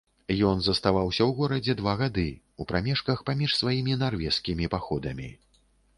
Ён заставаўся ў горадзе два гады, у прамежках паміж сваімі нарвежскімі паходамі.